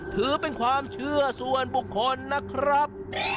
ถือเป็นความเชื่อส่วนบุคคลนะครับ